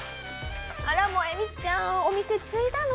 「あらモエミちゃんお店継いだの？」。